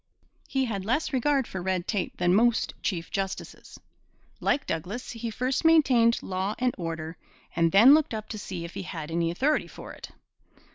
He had less regard for red tape than most chief justices. Like Douglas, he first maintained law and order and then looked up to see if he had any authority for it.